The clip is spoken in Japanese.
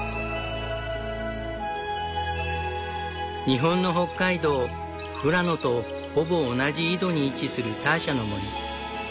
日本の北海道富良野とほぼ同じ緯度に位置するターシャの森。